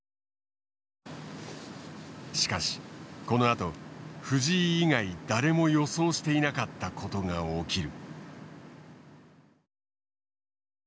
しかしこのあと藤井以外誰も予想していなかったことが起きる。